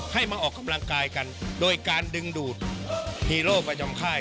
ให้มาออกกำลังกายกันโดยการดึงดูดฮีโร่ประจำค่าย